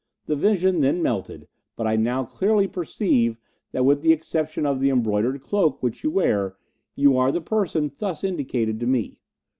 The vision then melted, but I now clearly perceive that with the exception of the embroidered cloak which you wear, you are the person thus indicated to me.